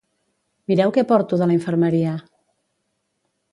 Mireu què porto de la infermeria!